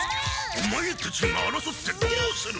オマエたちがあらそってどうする！